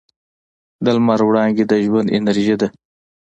د لمر وړانګې د ژوند انرژي ده.